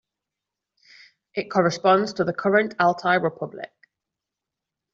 It corresponds to the current Altai Republic.